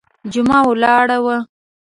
جمعه ولاړه وه.